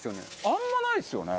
あんまないですよね。